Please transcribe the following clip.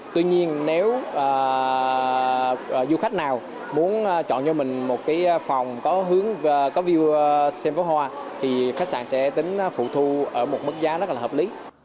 tuy nhiên nếu du khách nào muốn chọn cho mình một cái phòng có hướng có view xem pháo hoa thì khách sạn sẽ tính phụ thu ở một mức giá rất là hợp lý